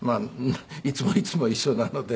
いつもいつも一緒なので。